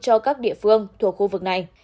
cho các địa phương thuộc khu vực này